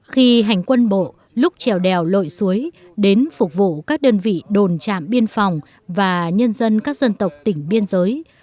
khi hành quân bộ lúc trèo đèo lội suối đến phục vụ các đơn vị đồn trạm biên phòng và nhân dân các dân tộc tỉnh biên giới